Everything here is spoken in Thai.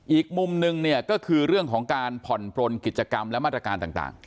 อีกมุมนึงเนี่ยก็คือเรื่องของการผ่อนปลนกิจกรรมและมาตรการต่าง